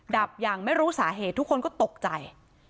ดับอย่างไม่รู้สาเหตุทุกคนก็ตกใจ